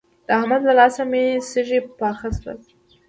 د احمد له لاسه مې سږي پاخه شول.